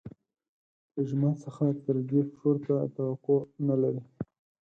له جومات څخه تر دې پورته توقع نه لري.